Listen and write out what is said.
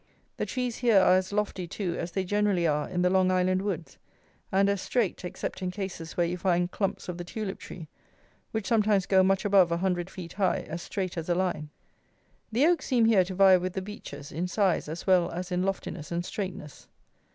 The trees here are as lofty, too, as they generally are in the Long Island woods, and as straight, except in cases where you find clumps of the tulip tree, which sometimes go much above a hundred feet high as straight as a line. The oaks seem here to vie with the beeches, in size as well as in loftiness and straightness.